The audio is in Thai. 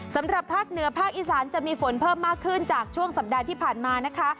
สำหรับภาคเหนือภาคอีสานจะมีฝนเพิ่มมากขึ้นจากช่วงสัปดาห์ที่ผ่านมานะคะ